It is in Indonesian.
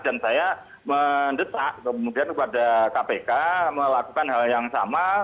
dan saya mendesak kemudian kepada kpk melakukan hal yang sama